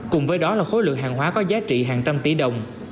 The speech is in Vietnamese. cùng với đó là khối lượng hàng hóa có giá trị hàng trăm tỷ đồng